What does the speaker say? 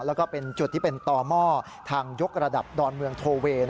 แล้วก็เป็นจุดที่เป็นต่อหม้อทางยกระดับดอนเมืองโทเวย์